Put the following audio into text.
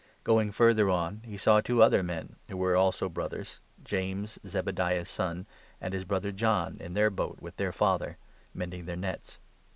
Going further on, he saw two other men who were also brothers, James, Zebediah's son, and his brother John, in their boat with their father; mending their nets.